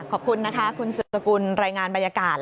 ขอบคุณนะคะคุณสืบสกุลรายงานบรรยากาศ